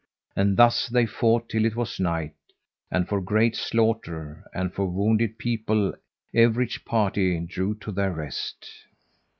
And thus they fought till it was night, and for great slaughter and for wounded people everych party drew to their rest.